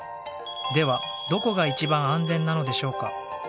ではどこが一番安全なのでしょうか？